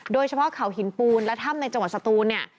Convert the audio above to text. โดยเฉพาะเขาหินปูนและถ้ำในจังหวัดสตูนเนี่ย